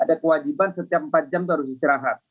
ada kewajiban setiap empat jam terus istirahat